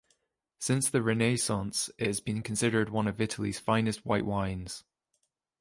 Since the Renaissance, it has been considered one of Italy's finest white wines.